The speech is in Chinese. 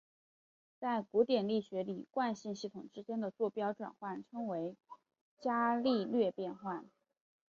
在古典力学里惯性系统之间的座标转换称为伽利略变换。